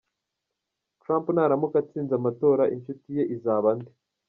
Trump naramuka atsinze amatora inshuti ye izaba nde?.